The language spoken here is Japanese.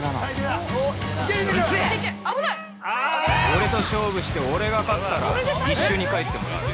俺と勝負して、俺が勝ったら一緒に帰ってもらう。